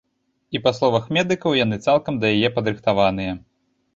І па словах медыкаў, яны цалкам да яе падрыхтаваныя.